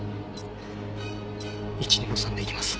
１２の３でいきます。